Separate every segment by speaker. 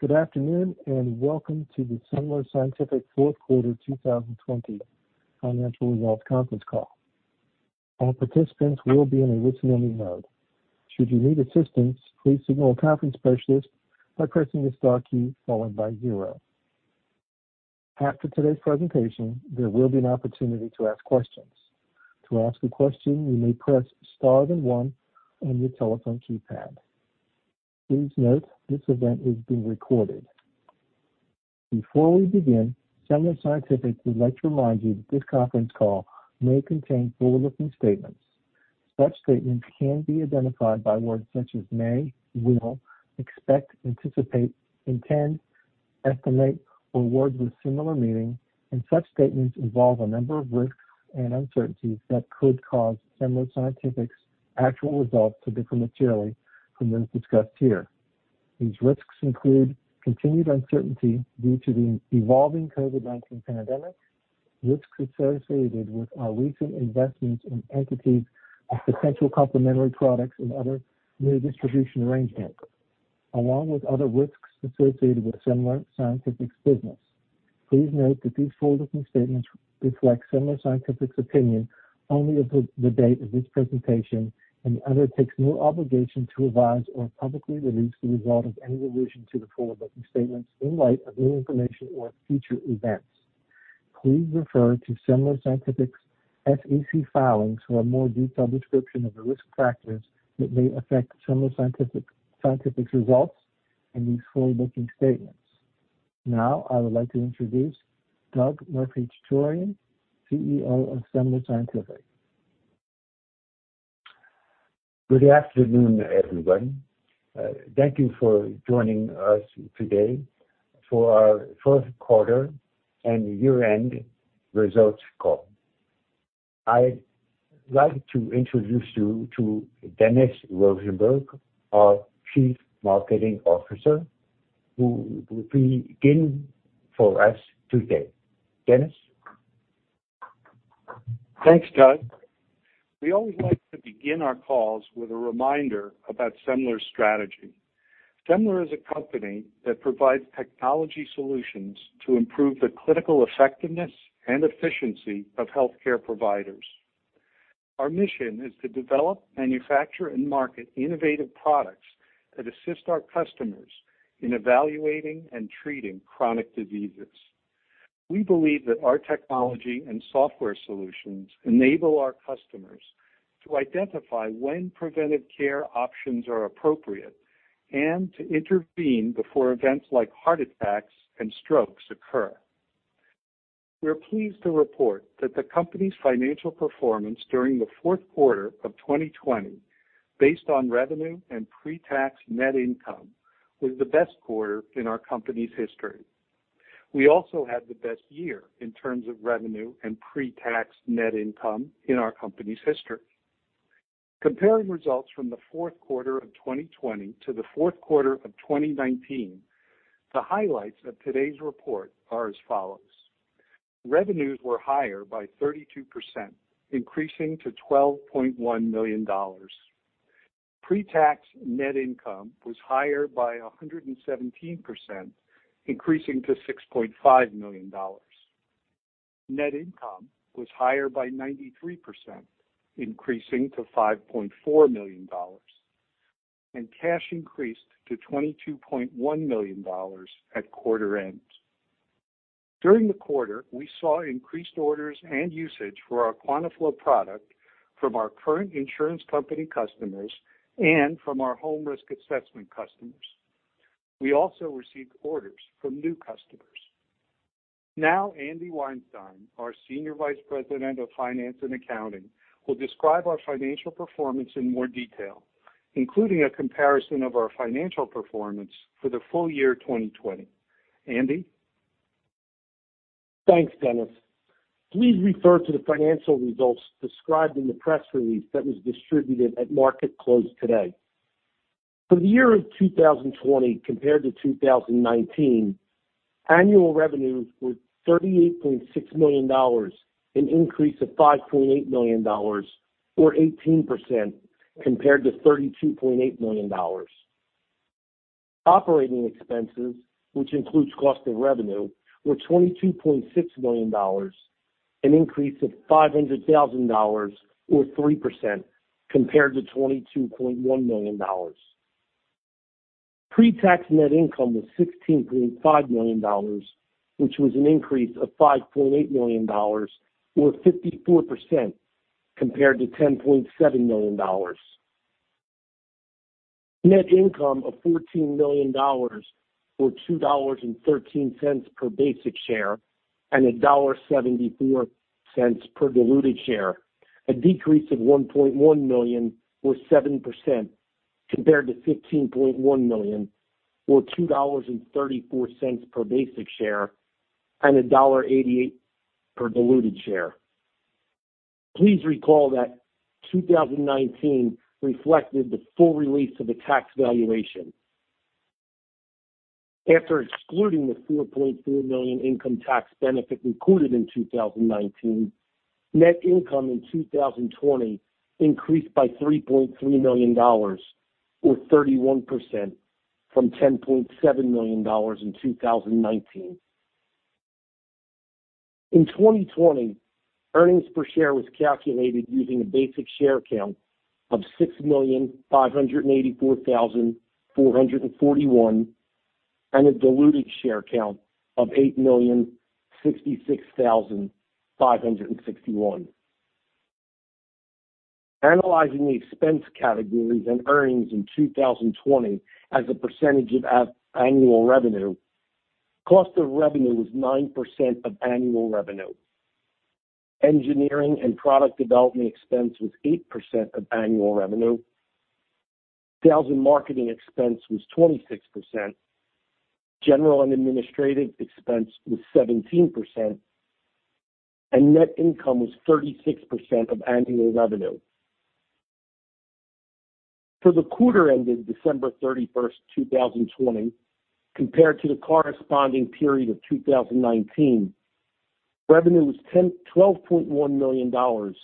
Speaker 1: Good afternoon, and welcome to the Semler Scientific Fourth Quarter 2020 Financial Results Conference Call. All participants will be on only listen mode. Should you need assistance please signal conference operator by pressing the star key followed by zero. After this presentation there will be opportunity to ask questions. To ask question you need to press star then one on your telephone keypad. Please note this event is being recorded. Before we begin, Semler Scientific would like to remind you that this conference call may contain forward-looking statements. Such statements can be identified by words such as may, will, expect, anticipate, intend, estimate, or words with similar meaning, and such statements involve a number of risks and uncertainties that could cause Semler Scientific's actual results to differ materially from those discussed here. These risks include continued uncertainty due to the evolving COVID-19 pandemic, risks associated with our recent investments in entities of potential complementary products and other new distribution arrangements, along with other risks associated with Semler Scientific's business. Please note that these forward-looking statements reflect Semler Scientific's opinion only as of the date of this presentation and the undertaking no obligation to revise or publicly release the results of any revision to the forward-looking statements in light of new information or future events. Please refer to Semler Scientific's SEC filings for a more detailed description of the risk factors that may affect Semler Scientific's results and these forward-looking statements. Now, I would like to introduce Doug Murphy-Chutorian, CEO of Semler Scientific.
Speaker 2: Good afternoon, everyone. Thank you for joining us today for our fourth quarter and year-end results call. I'd like to introduce you to Dennis Rosenberg, our Chief Marketing Officer, who will begin for us today. Dennis?
Speaker 3: Thanks, Doug. We always like to begin our calls with a reminder about Semler's strategy. Semler is a company that provides technology solutions to improve the clinical effectiveness and efficiency of healthcare providers. Our mission is to develop, manufacture, and market innovative products that assist our customers in evaluating and treating chronic diseases. We believe that our technology and software solutions enable our customers to identify when preventive care options are appropriate and to intervene before events like heart attacks and strokes occur. We're pleased to report that the company's financial performance during the fourth quarter of 2020, based on revenue and pre-tax net income, was the best quarter in our company's history. We also had the best year in terms of revenue and pre-tax net income in our company's history. Comparing results from the fourth quarter of 2020 to the fourth quarter of 2019, the highlights of today's report are as follows. Revenues were higher by 32%, increasing to $12.1 million. Pre-tax net income was higher by 117%, increasing to $6.5 million. Net income was higher by 93%, increasing to $5.4 million, and cash increased to $22.1 million at quarter end. During the quarter, we saw increased orders and usage for our QuantaFlo product from our current insurance company customers and from our Health Risk Assessment customers. We also received orders from new customers. Andrew Weinstein, our Senior Vice President of Finance and Accounting, will describe our financial performance in more detail, including a comparison of our financial performance for the full year 2020. Andy?
Speaker 4: Thanks, Dennis. Please refer to the financial results described in the press release that was distributed at market close today. For the year of 2020 compared to 2019, annual revenues were $38.6 million, an increase of $5.8 million or 18% compared to $32.8 million. Operating expenses, which includes cost of revenue, were $22.6 million, an increase of $500,000 or 3% compared to $22.1 million. Pre-tax net income was $16.5 million, which was an increase of $5.8 million or 54% compared to $10.7 million. Net income of $14 million or $2.13 per basic share and $1.74 per diluted share, a decrease of $1.1 million or 7% compared to $15.1 million or $2.34 per basic share and $1.88 per diluted share. Please recall that 2019 reflected the full release of a tax valuation. After excluding the $4.4 million income tax benefit included in 2019, net income in 2020 increased by $3.3 million, or 31%, from $10.7 million in 2019. In 2020, earnings per share was calculated using a basic share count of 6,584,441 and a diluted share count of 8,066,561. Analyzing the expense categories and earnings in 2020 as a percentage of annual revenue, cost of revenue was 9% of annual revenue. Engineering and product development expense was 8% of annual revenue. Sales and marketing expense was 26%. General and administrative expense was 17%, and net income was 36% of annual revenue. For the quarter ending December 31st, 2020, compared to the corresponding period of 2019, revenue was $12.1 million,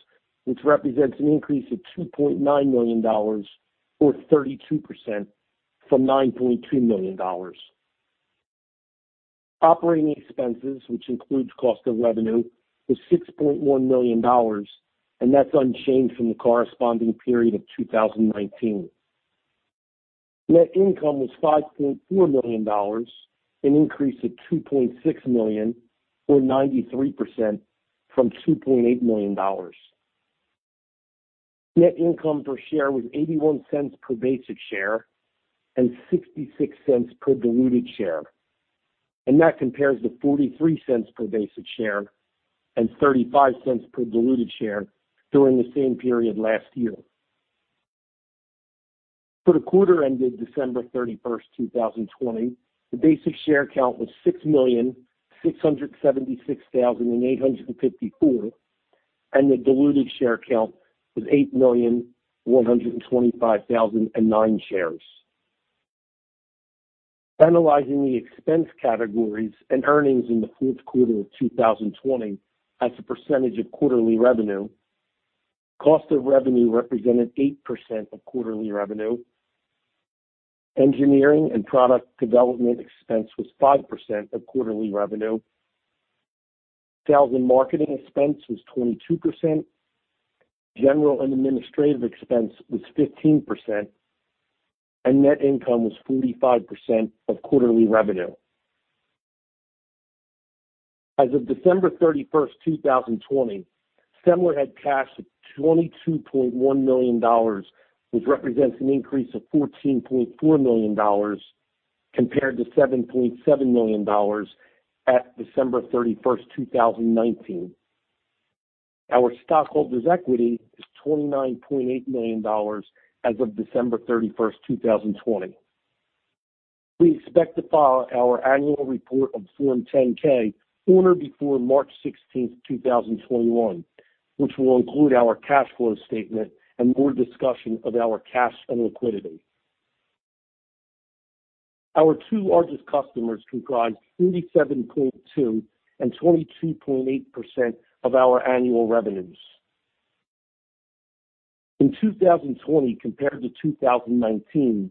Speaker 4: which represents an increase of $2.9 million, or 32%, from $9.2 million. Operating expenses, which includes cost of revenue, was $6.1 million, and that's unchanged from the corresponding period of 2019. Net income was $5.4 million, an increase of $2.6 million, or 93%, from $2.8 million. Net income per share was $0.81 per basic share and $0.66 per diluted share, and that compares to $0.43 per basic share and $0.35 per diluted share during the same period last year. For the quarter ending December 31st, 2020, the basic share count was 6,676,854, and the diluted share count was 8,125,009 shares. Analyzing the expense categories and earnings in the fourth quarter of 2020 as a percentage of quarterly revenue, cost of revenue represented 8% of quarterly revenue. Engineering and product development expense was 5% of quarterly revenue. Sales and marketing expense was 22%. General and administrative expense was 15%, and net income was 45% of quarterly revenue. As of December 31st, 2020, Semler had cash of $22.1 million, which represents an increase of $14.4 million compared to $7.7 million at December 31st, 2019. Our stockholders' equity is $29.8 million as of December 31st, 2020. We expect to file our annual report on Form 10-K on or before March 16th, 2021, which will include our cash flow statement and more discussion of our cash and liquidity. Our two largest customers comprise 37.2% and 22.8% of our annual revenues. In 2020 compared to 2019,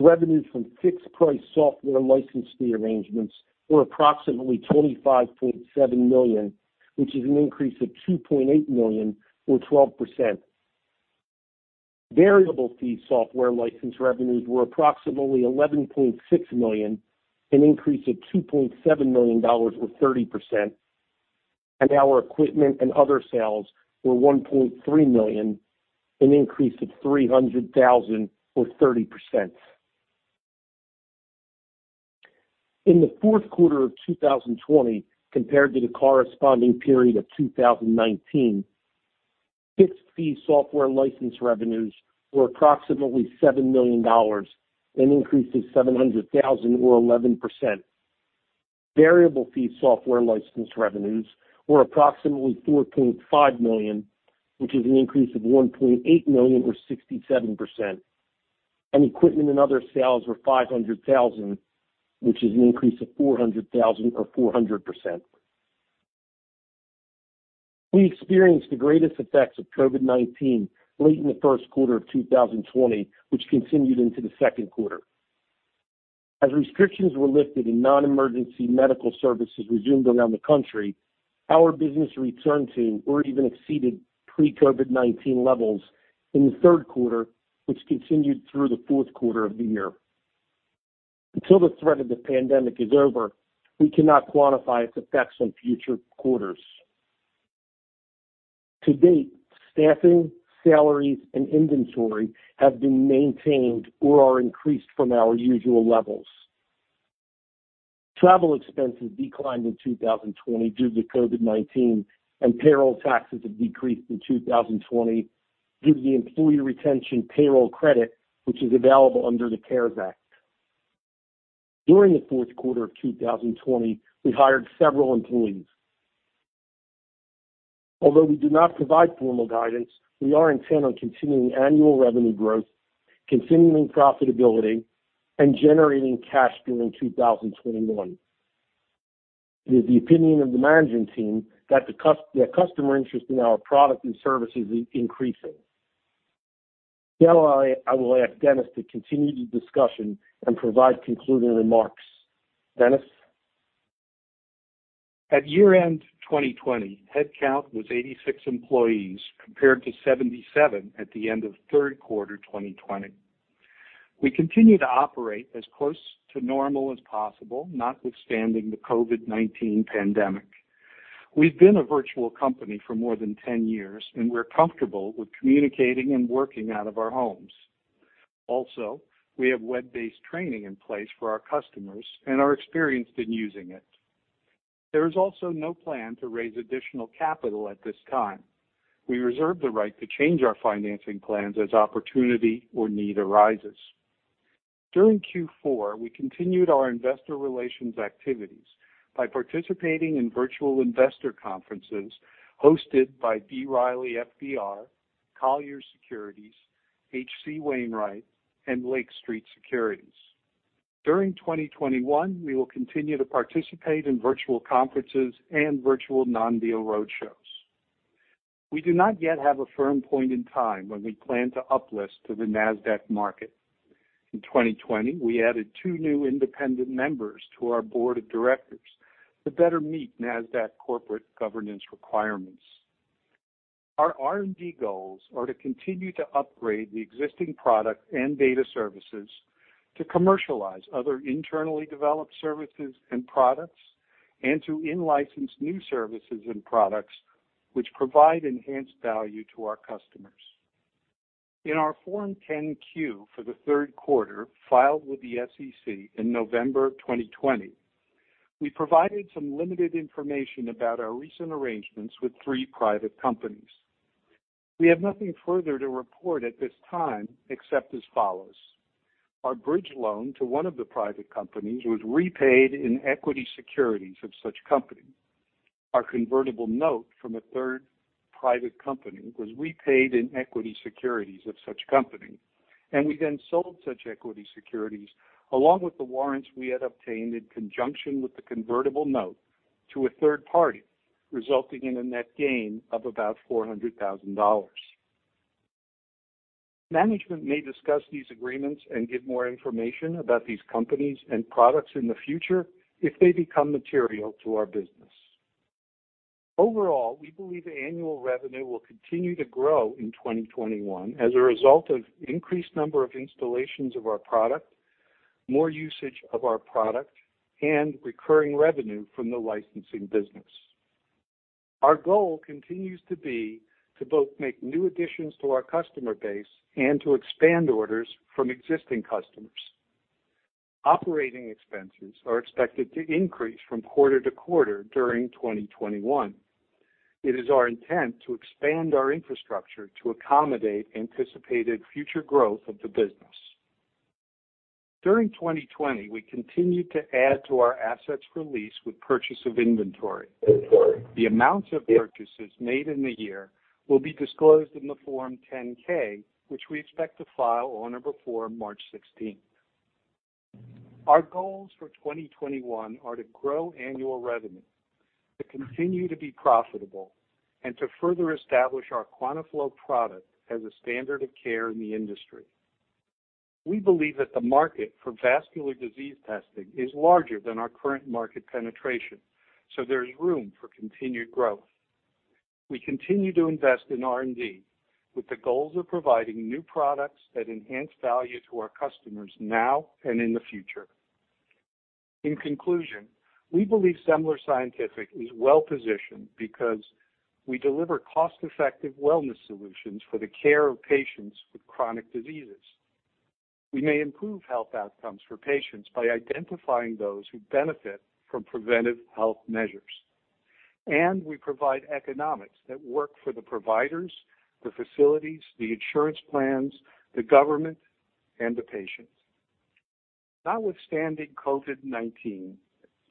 Speaker 4: revenues from fixed-price software license fee arrangements were approximately $25.7 million, which is an increase of $2.8 million, or 12%. Variable fee software license revenues were approximately $11.6 million, an increase of $2.7 million, or 30%, and our equipment and other sales were $1.3 million, an increase of $300,000 or 30%. In the fourth quarter of 2020 compared to the corresponding period of 2019, fixed-fee software license revenues were approximately $7 million, an increase of $700,000 or 11%. Variable fee software license revenues were approximately $14.5 million, which is an increase of $1.8 million or 67%, and equipment and other sales were $500,000, which is an increase of $400,000 or 400%. We experienced the greatest effects of COVID-19 late in the first quarter of 2020, which continued into the second quarter. As restrictions were lifted and non-emergency medical services resumed around the country, our business returned to or even exceeded pre-COVID-19 levels in the third quarter, which continued through the fourth quarter of the year. Until the threat of the pandemic is over, we cannot quantify its effects on future quarters. To date, staffing, salaries, and inventory have been maintained or are increased from our usual levels. Travel expenses declined in 2020 due to COVID-19, and payroll taxes have decreased in 2020 due to the employee retention payroll credit, which is available under the CARES Act. During the fourth quarter of 2020, we hired several employees Although we do not provide formal guidance, we are intent on continuing annual revenue growth, continuing profitability, and generating cash during 2021. It is the opinion of the management team that the customer interest in our product and services is increasing. I will ask Dennis to continue the discussion and provide concluding remarks. Dennis?
Speaker 3: At year-end 2020, headcount was 86 employees compared to 77 at the end of the third quarter 2020. We continue to operate as close to normal as possible, notwithstanding the COVID-19 pandemic. We've been a virtual company for more than 10 years, and we're comfortable with communicating and working out of our homes. Also, we have web-based training in place for our customers and are experienced in using it. There is also no plan to raise additional capital at this time. We reserve the right to change our financing plans as opportunity or need arises. During Q4, we continued our investor relations activities by participating in virtual investor conferences hosted by B. Riley FBR, Colliers Securities, H.C. Wainwright & Co., and Lake Street Capital Markets. During 2021, we will continue to participate in virtual conferences and virtual non-deal roadshows. We do not yet have a firm point in time when we plan to uplist to the Nasdaq market. In 2020, we added two new independent members to our board of directors to better meet Nasdaq corporate governance requirements. Our R&D goals are to continue to upgrade the existing product and data services, to commercialize other internally developed services and products, and to in-license new services and products which provide enhanced value to our customers. In our Form 10-Q for the third quarter, filed with the SEC in November 2020, we provided some limited information about our recent arrangements with three private companies. We have nothing further to report at this time except as follows. Our bridge loan to one of the private companies was repaid in equity securities of such company. Our convertible note from a third private company was repaid in equity securities of such company, and we then sold such equity securities, along with the warrants we had obtained in conjunction with the convertible note, to a third party, resulting in a net gain of about $400,000. Management may discuss these agreements and give more information about these companies and products in the future if they become material to our business. Overall, we believe annual revenue will continue to grow in 2021 as a result of increased number of installations of our product, more usage of our product, and recurring revenue from the licensing business. Our goal continues to be to both make new additions to our customer base and to expand orders from existing customers. Operating expenses are expected to increase from quarter to quarter during 2021. It is our intent to expand our infrastructure to accommodate anticipated future growth of the business. During 2020, we continued to add to our assets for lease with purchase of inventory. The amounts of purchases made in the year will be disclosed in the Form 10-K, which we expect to file on or before March 16th. Our goals for 2021 are to grow annual revenue, to continue to be profitable, and to further establish our QuantaFlo product as a standard of care in the industry. We believe that the market for vascular disease testing is larger than our current market penetration. There is room for continued growth. We continue to invest in R&D with the goals of providing new products that enhance value to our customers now and in the future. In conclusion, we believe Semler Scientific is well-positioned because we deliver cost-effective wellness solutions for the care of patients with chronic diseases. We may improve health outcomes for patients by identifying those who benefit from preventive health measures, and we provide economics that work for the providers, the facilities, the insurance plans, the government, and the patients. Notwithstanding COVID-19,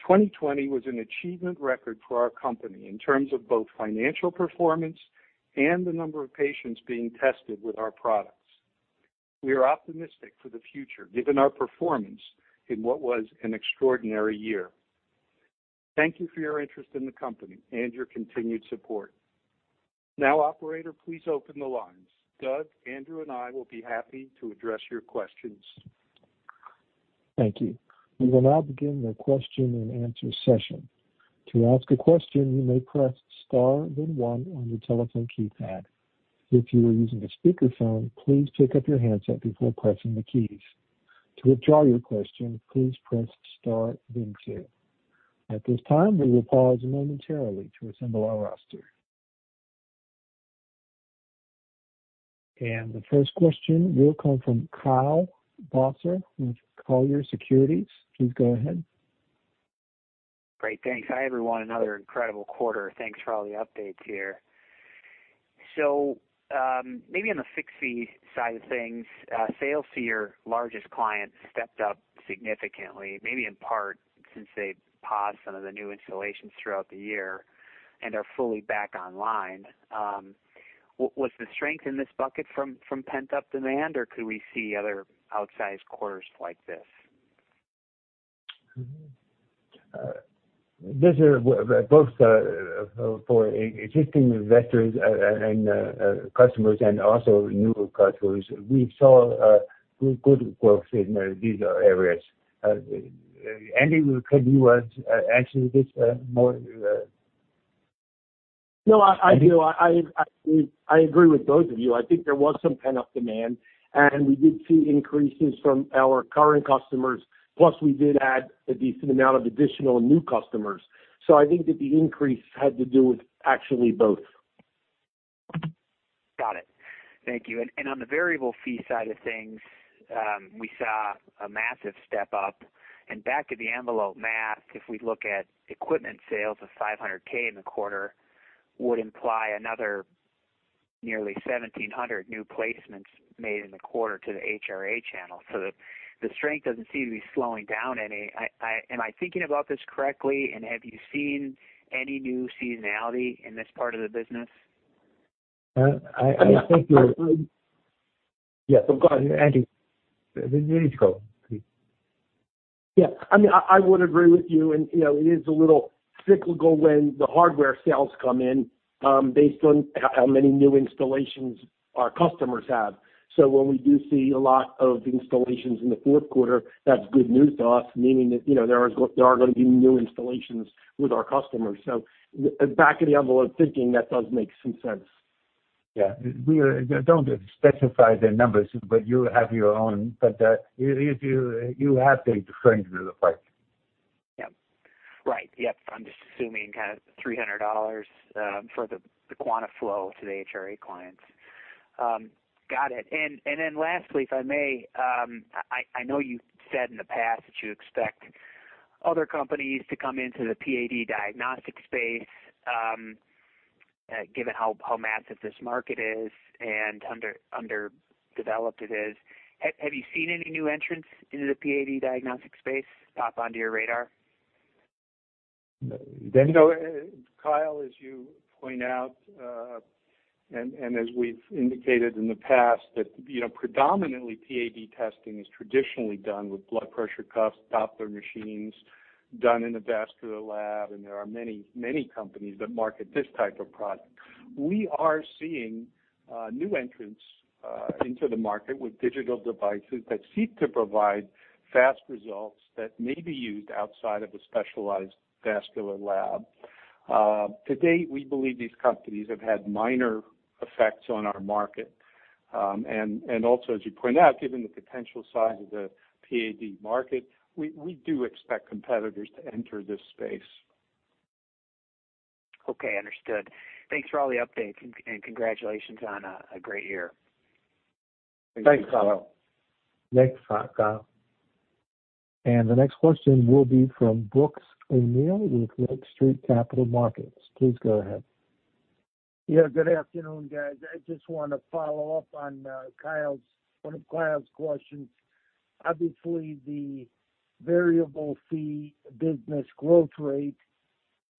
Speaker 3: 2020 was an achievement record for our company in terms of both financial performance and the number of patients being tested with our products. We are optimistic for the future given our performance in what was an extraordinary year. Thank you for your interest in the company and your continued support. Now, operator, please open the lines. Doug, Andrew, and I will be happy to address your questions.
Speaker 1: Thank you. We will now begin the question and answer session. To ask a question, you may press star then one on your telephone keypad. If you are using a speakerphone, please pick up your handset before pressing the keys. To withdraw your question, please press star then two. At this time, we will pause momentarily to assemble our roster. The first question will come from Kyle Bauser with Colliers Securities. Please go ahead.
Speaker 5: Great. Thanks. Hi, everyone. Another incredible quarter. Thanks for all the updates here. Maybe on the fixed fee side of things, sales to your largest clients stepped up significantly, maybe in part since they paused some of the new installations throughout the year and are fully back online. Was the strength in this bucket from pent-up demand, or could we see other outsized quarters like this?
Speaker 2: These are both for existing investors and customers and also new customers. We saw good growth in these areas. Andy, could you answer this more?
Speaker 4: No, I do. I agree with both of you. I think there was some pent-up demand, and we did see increases from our current customers, plus we did add a decent amount of additional new customers. I think that the increase had to do with actually both.
Speaker 5: Got it. Thank you. On the variable fee side of things, we saw a massive step up. Back-of-the-envelope math, if we look at equipment sales of $500,000 in the quarter, would imply another nearly 1,700 new placements made in the quarter to the HRA channel. The strength doesn't seem to be slowing down any. Am I thinking about this correctly, and have you seen any new seasonality in this part of the business?
Speaker 2: I think.
Speaker 4: Yeah.
Speaker 2: Yes, go ahead, Andy. You go, please.
Speaker 4: Yeah. I would agree with you, and it is a little cyclical when the hardware sales come in based on how many new installations our customers have. When we do see a lot of installations in the fourth quarter, that's good news to us, meaning that there are going to be new installations with our customers. Back-of-the-envelope thinking, that does make some sense.
Speaker 2: Yeah. We don't specify the numbers, but you have your own. You have the strength of the pipe.
Speaker 5: Yep. Right. Yep. I'm just assuming kind of $300 for the QuantaFlo to the HRA clients. Got it. Lastly, if I may, I know you've said in the past that you expect other companies to come into the PAD diagnostic space, given how massive this market is and underdeveloped it is. Have you seen any new entrants into the PAD diagnostic space pop onto your radar?
Speaker 3: Kyle, as you point out, and as we've indicated in the past, that predominantly PAD testing is traditionally done with blood pressure cuffs, Doppler machines, done in a vascular lab, and there are many companies that market this type of product. We are seeing new entrants into the market with digital devices that seek to provide fast results that may be used outside of a specialized vascular lab. To date, we believe these companies have had minor effects on our market. Also, as you point out, given the potential size of the PAD market, we do expect competitors to enter this space.
Speaker 5: Okay, understood. Thanks for all the updates, and congratulations on a great year.
Speaker 3: Thanks, Kyle.
Speaker 2: Thanks, Kyle.
Speaker 1: The next question will be from Brooks O'Neil with Lake Street Capital Markets. Please go ahead.
Speaker 6: Yeah. Good afternoon, guys. I just want to follow up on one of Kyle's questions. Obviously, the variable fee business growth rate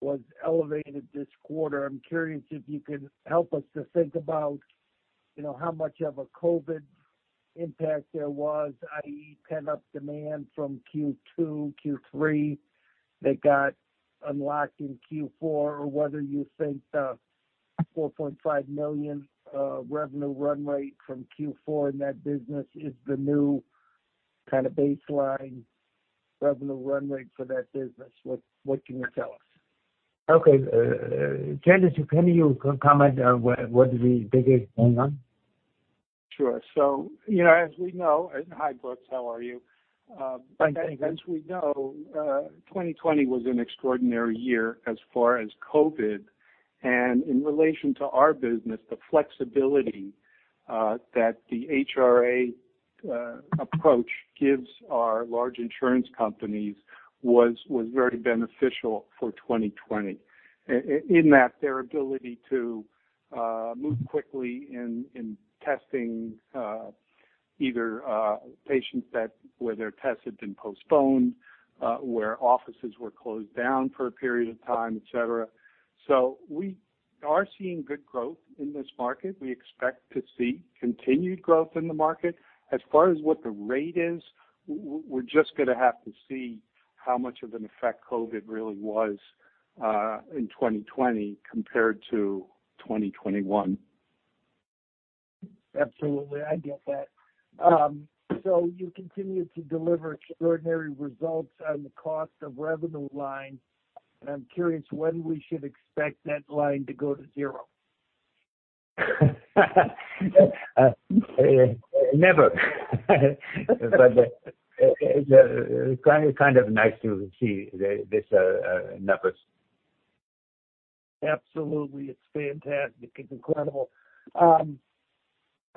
Speaker 6: was elevated this quarter. I'm curious if you can help us to think about how much of a COVID impact there was, i.e., pent-up demand from Q2, Q3 that got unlocked in Q4, or whether you think the $4.5 million revenue run rate from Q4 in that business is the new kind of baseline revenue run rate for that business. What can you tell us?
Speaker 2: Okay. Dennis, can you comment on what the biggest hang on?
Speaker 3: Sure. Hi, Brooks, how are you?
Speaker 6: Fine, thank you.
Speaker 3: As we know, 2020 was an extraordinary year as far as COVID. In relation to our business, the flexibility that the HRA approach gives our large insurance companies was very beneficial for 2020, in that their ability to move quickly in testing either patients that where their tests had been postponed, where offices were closed down for a period of time, et cetera. We are seeing good growth in this market. We expect to see continued growth in the market. As far as what the rate is, we're just going to have to see how much of an effect COVID really was in 2020 compared to 2021.
Speaker 6: Absolutely. I get that. You continue to deliver extraordinary results on the cost of revenue line, and I'm curious when we should expect that line to go to zero.
Speaker 2: Never. It's kind of nice to see these numbers.
Speaker 6: Absolutely. It's fantastic. It's incredible.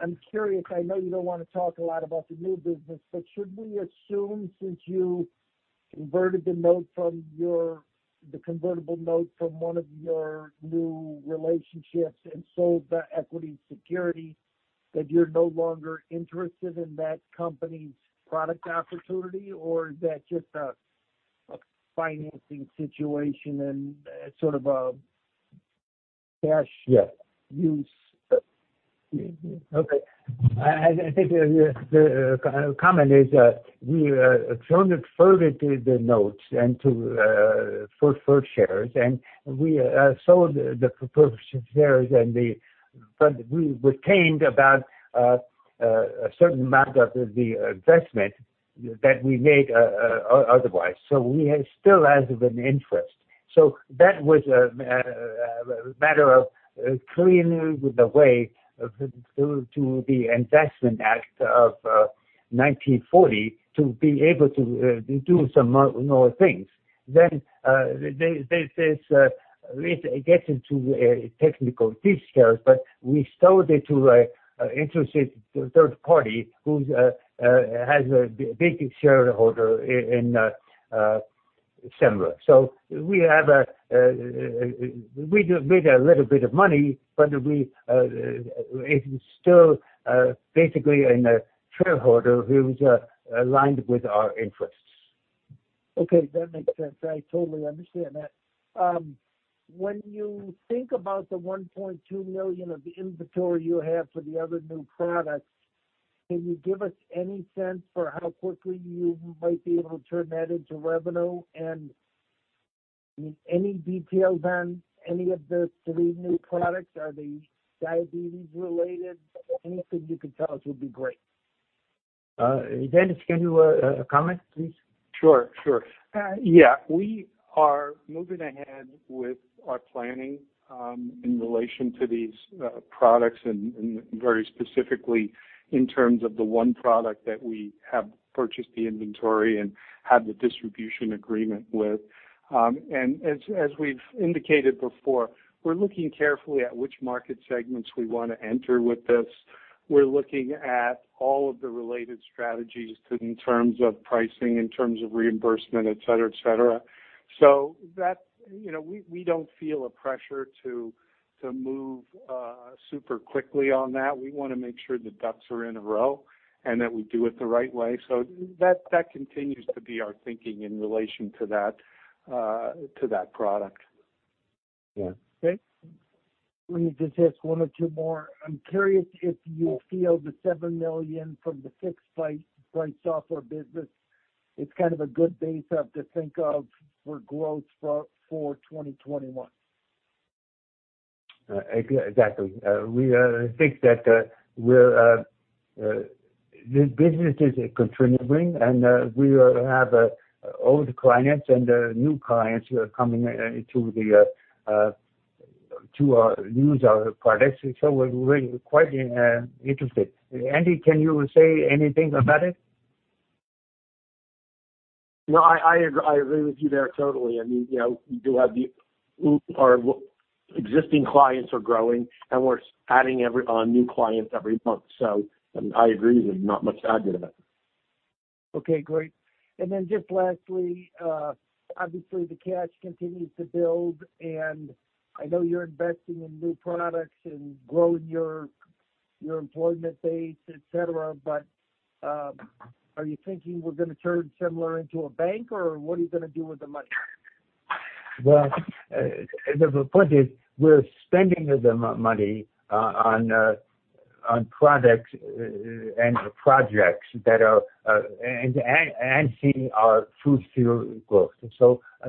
Speaker 6: I'm curious, I know you don't want to talk a lot about the new business, should we assume since you converted the note, the convertible note from one of your new relationships and sold the equity security, that you're no longer interested in that company's product opportunity? Or is that just a financing situation and sort of a cash?
Speaker 2: Yeah.
Speaker 6: Use? Okay.
Speaker 2: I think the comment is that we converted the notes and to for shares, and we sold the proportion shares and the we retained about a certain amount of the investment that we made otherwise. We still have an interest. That was a matter of clearing the way to the Investment Company Act of 1940 to be able to do some more things. This gets into technical details, we sold it to a interested third party who has a big shareholder in Semler. We made a little bit of money, it is still basically in a shareholder who's aligned with our interests.
Speaker 6: Okay, that makes sense. I totally understand that. When you think about the $1.2 million of the inventory you have for the other new products, can you give us any sense for how quickly you might be able to turn that into revenue? Any details on any of the three new products, are they diabetes-related? Anything you could tell us would be great.
Speaker 2: Dennis, can you comment, please?
Speaker 3: Sure. Yeah, we are moving ahead with our planning in relation to these products and very specifically in terms of the one product that we have purchased the inventory and have the distribution agreement with. As we've indicated before, we're looking carefully at which market segments we want to enter with this. We're looking at all of the related strategies in terms of pricing, in terms of reimbursement, et cetera. That, we don't feel a pressure to move super quickly on that. We want to make sure the ducks are in a row and that we do it the right way. That continues to be our thinking in relation to that product.
Speaker 2: Yeah.
Speaker 6: Okay. Let me just ask one or two more. I'm curious if you feel the $7 million from the fixed-price software business, it's kind of a good base to think of for growth for 2021.
Speaker 2: Exactly. We think that the business is contributing and we have old clients and new clients who are coming to use our products. We're really quite interested. Andy, can you say anything about it?
Speaker 4: No, I agree with you there totally. I mean, our existing clients are growing and we're adding on new clients every month. I agree. There's not much to add to that.
Speaker 6: Okay, great. Just lastly, obviously the cash continues to build and I know you're investing in new products and growing your employment base, et cetera, are you thinking we're going to turn Semler into a bank or what are you going to do with the money?
Speaker 2: The point is we're spending the money on products and projects that are enhancing our future growth.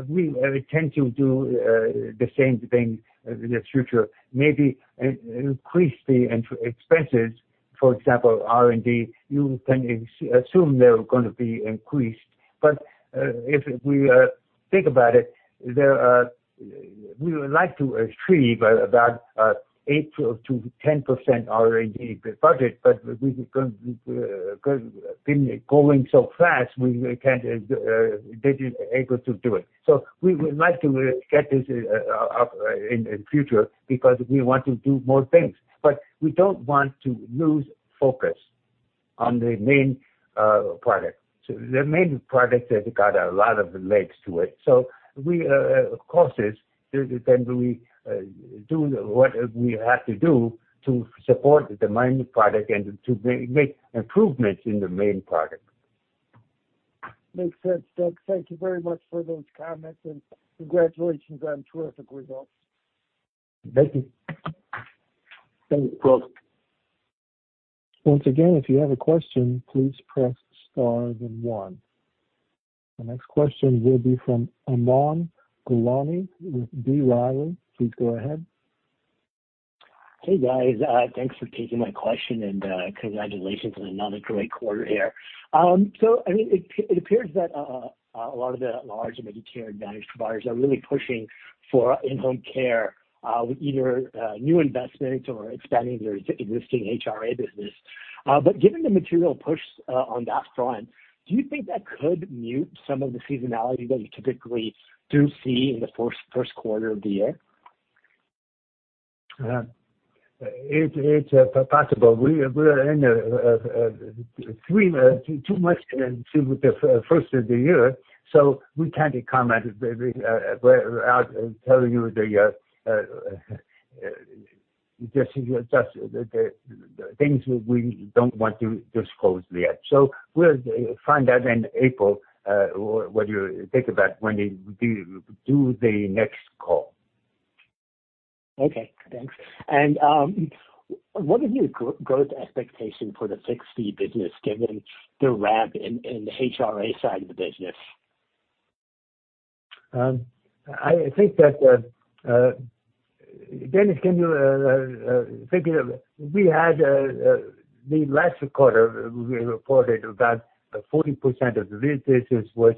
Speaker 2: We intend to do the same thing in the future, maybe increase the expenses, for example, R&D, you can assume they're going to be increased. If we think about it, we would like to retrieve about 8%-10% R&D budget, but we've been going so fast, we can't able to do it. We would like to get this up in future because we want to do more things. We don't want to lose focus on the main product. The main product has got a lot of legs to it. We, of course, then we do what we have to do to support the main product and to make improvements in the main product.
Speaker 6: Makes sense. Doug, thank you very much for those comments, and congratulations on terrific results.
Speaker 2: Thank you.
Speaker 3: Thanks.
Speaker 2: You're welcome.
Speaker 1: Once again, if you have a question, please press star then one. The next question will be from Aman Gulani with B. Riley. Please go ahead.
Speaker 7: Hey, guys. Thanks for taking my question and congratulations on another great quarter here. I mean, it appears that a lot of the large Medicare Advantage providers are really pushing for in-home care with either new investments or expanding their existing HRA business. Given the material push on the HRA end, do you think that could mute some of the seasonality that you typically do see in the first quarter of the year?
Speaker 2: It's possible. We are two months into the first of the year, we can't comment without telling you the things we don't want to disclose yet. We'll find out in April, what you think about when we do the next call.
Speaker 7: Okay, thanks. What is your growth expectation for the fixed fee business, given the ramp in the HRA side of the business?
Speaker 2: Dennis, We had the last quarter, we reported about 40% of the businesses was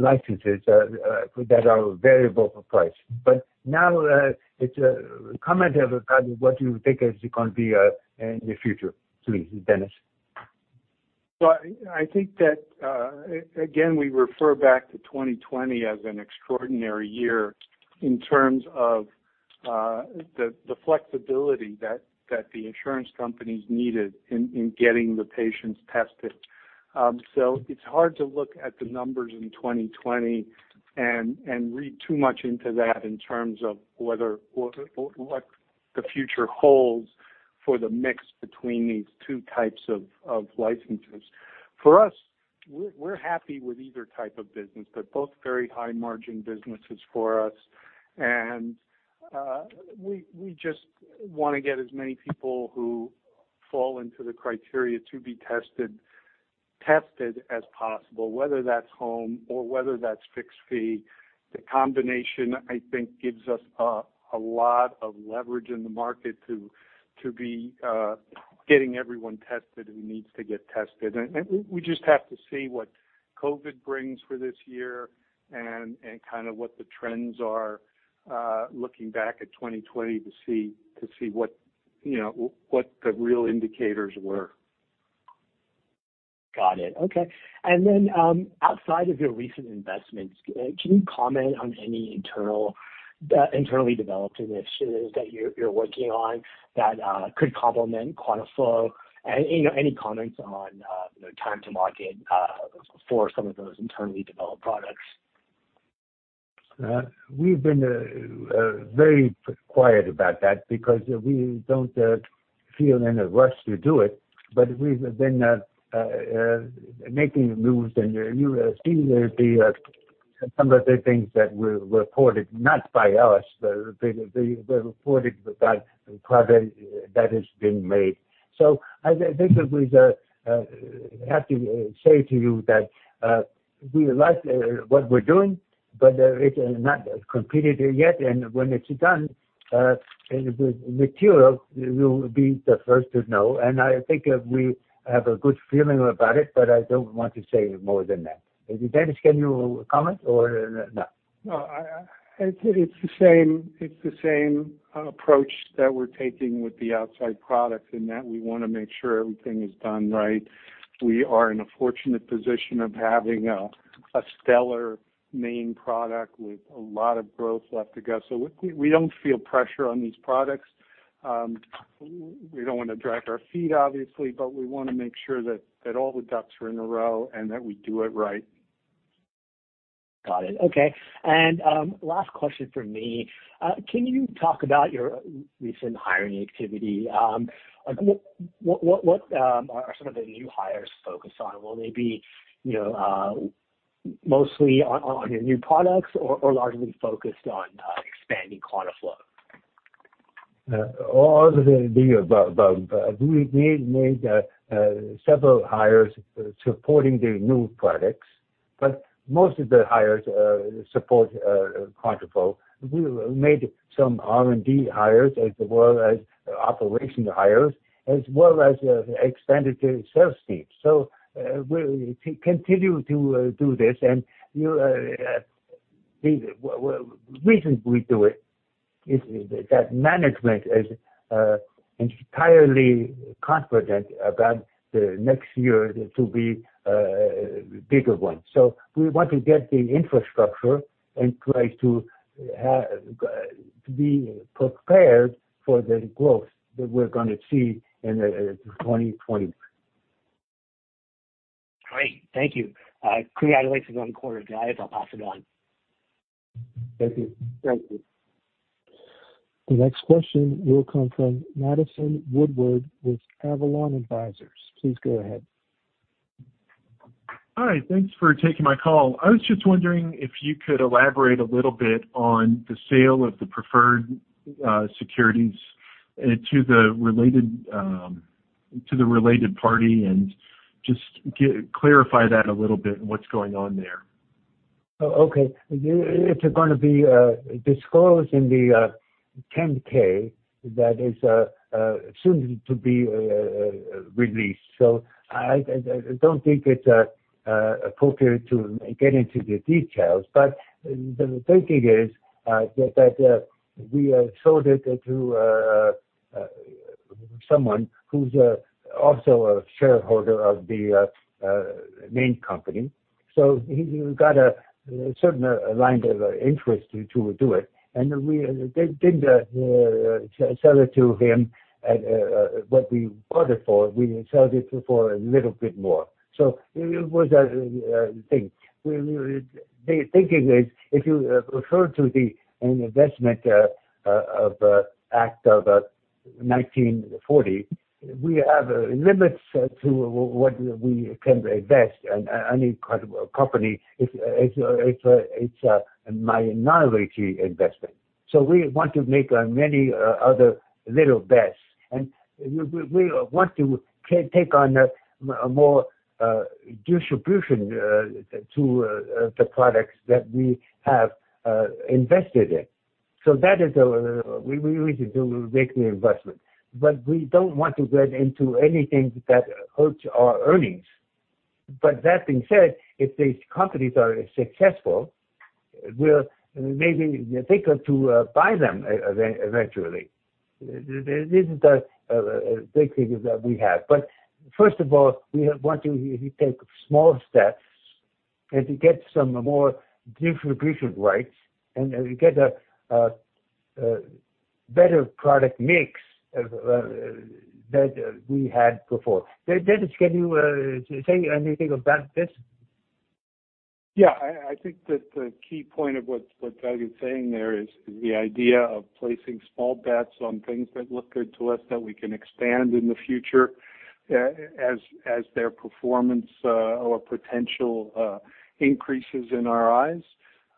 Speaker 2: licenses that are variable price. Now, comment about what you think is going to be in the future, please, Dennis.
Speaker 3: Well, I think that, again, we refer back to 2020 as an extraordinary year in terms of the flexibility that the insurance companies needed in getting the patients tested. It's hard to look at the numbers in 2020 and read too much into that in terms of what the future holds for the mix between these two types of licenses. For us, we're happy with either type of business, they're both very high margin businesses for us and we just want to get as many people who fall into the criteria to be tested as possible, whether that's home or whether that's fixed fee. The combination, I think, gives us a lot of leverage in the market to be getting everyone tested who needs to get tested. We just have to see what COVID brings for this year and what the trends are, looking back at 2020 to see what the real indicators were.
Speaker 7: Got it. Okay. Outside of your recent investments, can you comment on any internally developed initiatives that you're working on that could complement QuantaFlo? Any comments on time to market for some of those internally developed products?
Speaker 2: We've been very quiet about that because we don't feel in a rush to do it, but we've been making moves and you have seen some of the things that were reported, not by us, they were reported by private that it's been made. I basically have to say to you that we like what we're doing, but it's not completed yet and when it's done, material will be the first to know and I think we have a good feeling about it, but I don't want to say more than that. Dennis, can you comment or no?
Speaker 3: No, it's the same approach that we're taking with the outside products in that we want to make sure everything is done right. We are in a fortunate position of having a stellar main product with a lot of growth left to go. We don't feel pressure on these products. We don't want to drag our feet, obviously, but we want to make sure that all the ducks are in a row and that we do it right.
Speaker 7: Got it. Okay. Last question from me. Can you talk about your recent hiring activity? What are some of the new hires focused on? Will they be mostly on your new products or largely focused on expanding QuantaFlo?
Speaker 2: All of the above. We made several hires supporting the new products, but most of the hires support QuantaFlo. We made some R&D hires as well as operation hires as well as expanded the sales team. We'll continue to do this and the reason we do it is that management is entirely confident about the next year to be a bigger one. We want to get the infrastructure in place to be prepared for the growth that we're going to see in 2020.
Speaker 7: Great. Thank you. Congratulations on the quarter, guys. I'll pass it on.
Speaker 2: Thank you.
Speaker 3: Thank you.
Speaker 1: The next question will come from Madison Woodward with Avalon Advisors. Please go ahead.
Speaker 8: Hi, thanks for taking my call. I was just wondering if you could elaborate a little bit on the sale of the preferred securities to the related party and just clarify that a little bit and what's going on there?
Speaker 2: Okay. It's going to be disclosed in the 10-K that is soon to be released. I don't think it's appropriate to get into the details, but the thinking is that we sold it to someone who's also a shareholder of the main company. He got a certain line of interest to do it, and they didn't sell it to him at what we bought it for. We sold it for a little bit more. It was a thing. The thinking is, if you refer to the Investment Company Act of 1940, we have limits to what we can invest in any company. It's a minority investment. We want to make many other little bets, and we want to take on more distribution to the products that we have invested in. That is why we need to make the investment. We don't want to get into anything that hurts our earnings. That being said, if these companies are successful, we'll maybe think to buy them eventually. This is the thinking that we have. First of all, we want to take small steps and to get some more distribution rights and to get a better product mix than we had before. Dennis, can you say anything about this?
Speaker 3: Yeah, I think that the key point of what Doug is saying there is the idea of placing small bets on things that look good to us that we can expand in the future as their performance or potential increases in our eyes.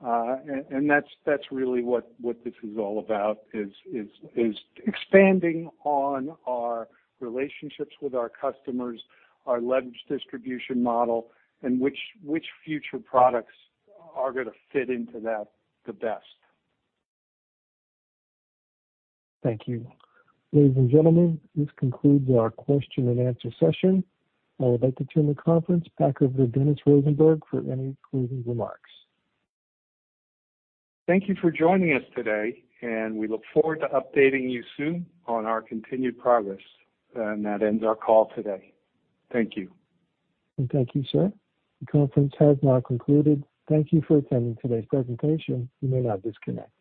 Speaker 3: That's really what this is all about, is expanding on our relationships with our customers, our leveraged distribution model, and which future products are going to fit into that the best.
Speaker 1: Thank you. Ladies and gentlemen, this concludes our question and answer session. I would like to turn the conference back over to Dennis Rosenberg for any concluding remarks.
Speaker 3: Thank you for joining us today, and we look forward to updating you soon on our continued progress. That ends our call today. Thank you.
Speaker 1: Thank you, sir. The conference has now concluded. Thank you for attending today's presentation. You may now disconnect.